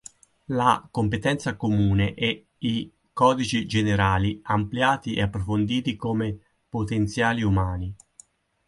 La ‘competenza comune' e i ‘codici generali' ampliati e approfonditi come ‘potenziali umani'.